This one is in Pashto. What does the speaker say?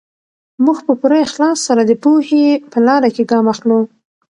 موږ په پوره اخلاص سره د پوهې په لاره کې ګام اخلو.